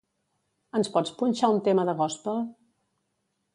Ens pots punxar un tema de gòspel?